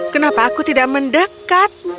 kenapa aku tidak mendekat